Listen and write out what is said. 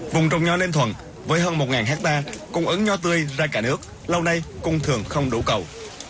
vùng trồng nho ninh thuận với hơn một hectare cung ứng nho tươi ra cả nước lâu nay cung thường không đủ cầu